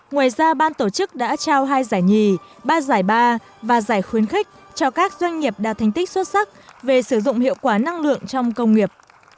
ngoài ra ban tổ chức đã trao hai giải nhì ba giải ba và giải khuyến khích cho các doanh nghiệp đạt thành tích xuất sắc về sử dụng hiệu quả năng lượng trong công nghiệp